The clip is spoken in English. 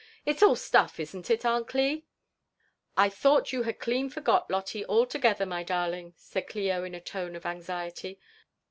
It's all stuff, isn't it, Aunt Cli t" I thought you had clean forgot Lotte altogether, my darling," said Clio in a tone of anxiety.